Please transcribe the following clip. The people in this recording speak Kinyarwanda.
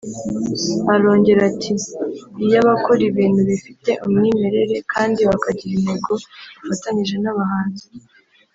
Arongera ati “Iya bakora ibintu bifite umwimerere kandi bakagira intego bafatanyije n’abahanzi